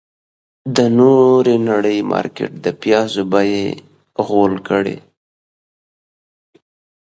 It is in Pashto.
د نورې نړۍ مارکيټ د پيازو بيې غول کړې.